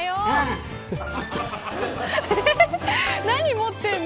何、持ってるの。